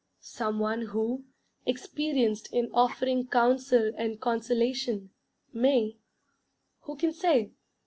Some One who, experienced in offering counsel and consolation, may (who can say?)